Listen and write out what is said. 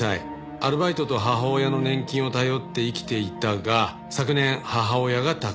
アルバイトと母親の年金を頼って生きていたが昨年母親が他界。